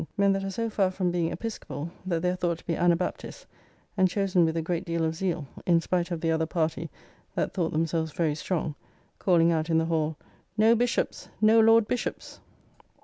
men that are so far from being episcopall that they are thought to be Anabaptists; and chosen with a great deal of zeal, in spite of the other party that thought themselves very strong, calling out in the Hall, "No Bishops! no Lord Bishops!"